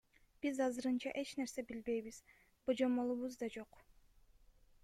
Биз азырынча эч нерсе билбейбиз, божомолубуз да жок.